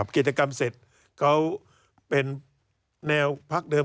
กิจกรรมเสร็จเป็นแนวพลักครั้งเดิม